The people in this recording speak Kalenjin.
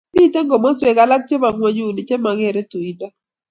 Mito komoswek alak chebonng'onyuni che mageere tuindo